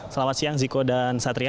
selamat siang ziko dan satria